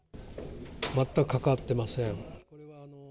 全く関わってません。